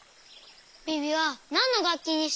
ビビはなんのがっきにしたの？